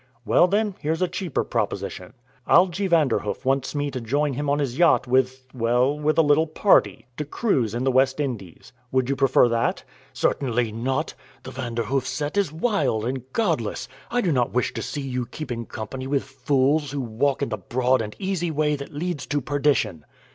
"Well, then, here's a cheaper proposition. Algy Vanderhoof wants me to join him on his yacht with well, with a little party to cruise in the West Indies. Would you prefer that?" "Certainly not! The Vanderhoof set is wild and godless I do not wish to see you keeping company with fools who walk in the broad and easy way that leads to perdition."